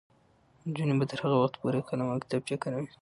نجونې به تر هغه وخته پورې قلم او کتابچه کاروي.